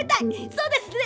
そうですね。